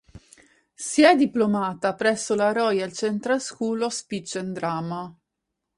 Si è diplomata presso la Royal Central School of Speech and Drama.